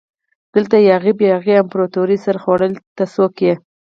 دلته یاغي باغي امپراتوري سرخوړلي ته څوک يي؟